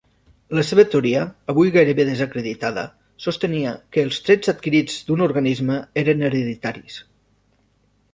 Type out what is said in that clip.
La seva teoria, avui gairebé desacreditada, sostenia que els trets adquirits d'un organisme eren hereditaris.